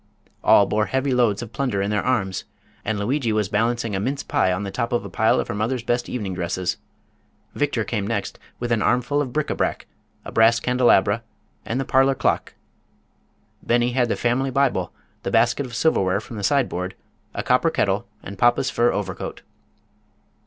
All bore heavy loads of plunder in their arms, and Lugui was balancing a mince pie on the top of a pile of her mother's best evening dresses. Victor came next with an armful of bric a brac, a brass candelabra and the parlor clock. Beni had the family Bible, the basket of silverware from the sideboard, a copper kettle and papa's fur overcoat.